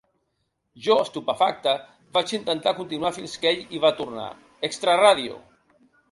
Jo, estupefacte, vaig intentar continuar fins que ell hi va tornar: ‘extrarradio’.